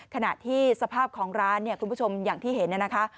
ขณะที่สภาพของร้านเนี่ยคุณผู้ชมอย่างที่เห็นเนี่ยนะคะ